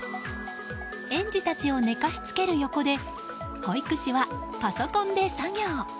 園児たちを寝かしつける横で保育士はパソコンで作業。